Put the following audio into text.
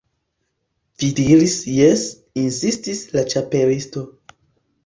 "Vi diris 'jes'" insistis la Ĉapelisto.